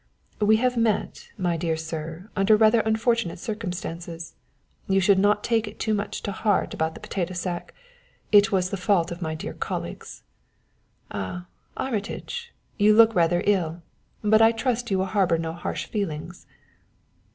"We have met, my dear sir, under unfortunate circumstances. You should not take it too much to heart about the potato sack. It was the fault of my dear colleagues. Ah, Armitage, you look rather ill, but I trust you will harbor no harsh feelings."